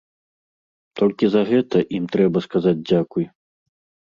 Толькі за гэта ім трэба сказаць дзякуй.